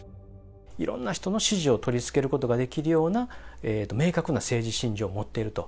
いろんな人の支持を取りつけることができるような、明確な政治信条を持っていると。